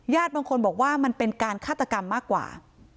บางคนบอกว่ามันเป็นการฆาตกรรมมากกว่า